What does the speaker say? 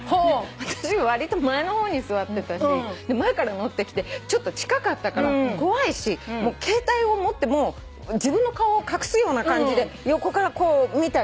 私わりと前の方に座ってたし前から乗ってきてちょっと近かったから怖いし携帯を持ってもう自分の顔を隠すような感じで横からこう見たり。